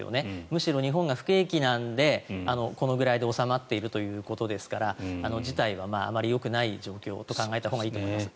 むしろ日本が不景気なのでこのぐらいで収まっているということですから事態はあまりよくない状況と考えたほうがいいと思います。